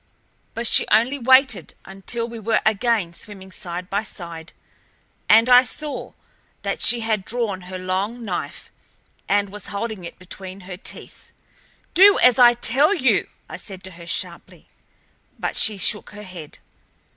But she only waited until we were again swimming side by side, and I saw that she had drawn her long knife, and was holding it between her teeth. "Do as I tell you!" I said to her sharply, but she shook her head.